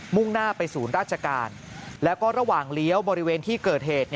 ่งหน้าไปศูนย์ราชการแล้วก็ระหว่างเลี้ยวบริเวณที่เกิดเหตุ